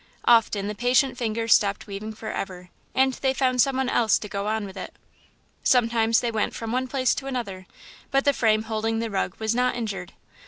Often, the patient fingers stopped weaving forever, and they found some one else to go on with it. Sometimes they went from one place to another, but the frame holding the rug was not injured.